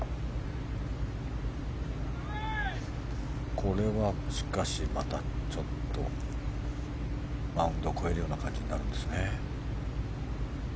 これはまたマウンドを越えるような感じになるんですね。